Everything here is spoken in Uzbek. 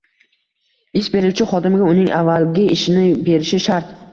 ish beruvchi xodimga uning avvalgi ishini berishi shart.